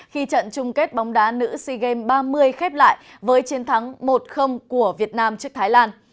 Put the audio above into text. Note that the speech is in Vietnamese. khi trận chung kết bóng đá nữ sea games ba mươi khép lại với chiến thắng một của việt nam trước thái lan